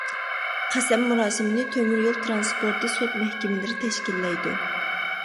قەسەم مۇراسىمىنى تۆمۈريول تىرانسپورتى سوت مەھكىمىلىرى تەشكىللەيدۇ.